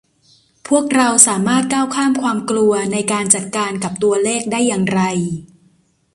พวกเราสามารถก้าวข้ามความกลัวในการจัดการกับตัวเลขได้อย่างไร